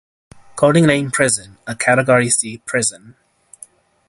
Coldingley Prison - a Category C prison.